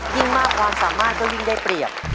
ยิ่งมากความสามารถก็ยิ่งได้เปรียบ